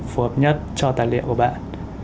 phù hợp nhất cho tài liệu của bạn